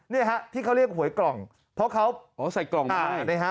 นี่ฮะที่เขาเรียกหวยกล่องเพราะเขาใส่กล่องมานะฮะ